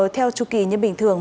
theo chu kỳ như bình thường